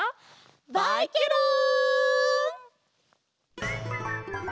バイケロン！